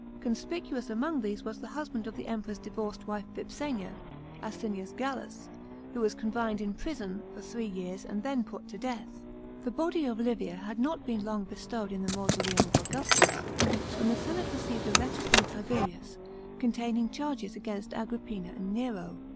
Conspicuous a,mong these was the husband of the Emperor's divorced wife Vipsania, Asinius Gallus, who was confined in prison for three years and then put to death. § 18. The body of Livia had not been long bestowed in the mausoleum of Augustus, when the senate received a letter from Tiberius, containing charges against Agrippina and Nero.